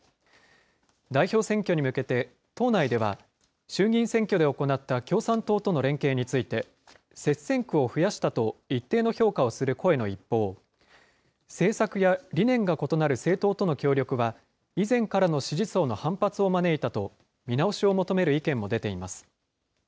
代表選挙に向けて、党内では、衆議院選挙で行った共産党との連携について、接戦区を増やしたと一定の評価をする声の一方、政策や理念が異なる政党との協力は、以前からの支持層の反発を招いたと、見直しを求める意見も出ています。